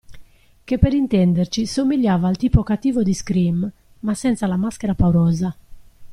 Che per intenderci somigliava al tipo cattivo di Scream, ma senza la maschera paurosa.